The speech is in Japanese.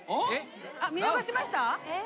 見逃しました？